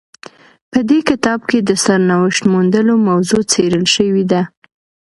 په دې کتاب کې د سرنوشت موندلو موضوع څیړل شوې ده.